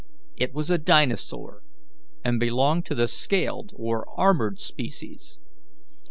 It was a dinosaur, and belonged to the scaled or armoured species.